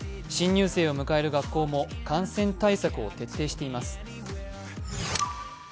新入生を迎える学校も感染対策を徹底しています。